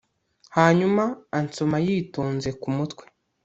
hanyuma ansoma yitonze ku mutwe